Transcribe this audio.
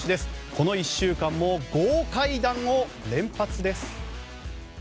この１週間も豪快弾を連発です。